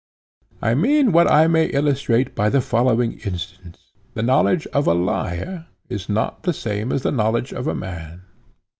I mean what I may illustrate by the following instance:—The knowledge of a lyre is not the same as the knowledge of a man?